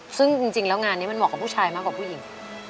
ซึ่งจริงแล้วงานนี้มันเหมาะกับผู้ชายมากกว่าผู้หญิง